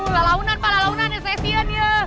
kelaunan kelaunan saya sian ya